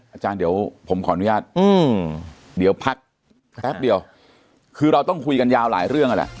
อาจารย์เดี๋ยวผมขออนุญาตเดี๋ยวพักแป๊บเดียวคือเราต้องคุยกันยาวหลายเรื่องนั่นแหละ